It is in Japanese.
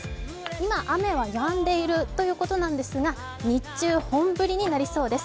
今、雨はやんでいるということなんですが、日中、本降りになりそうです。